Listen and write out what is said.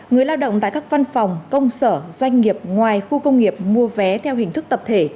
người lao động tại các văn phòng công sở doanh nghiệp ngoài khu công nghiệp mua vé theo hình thức tập thể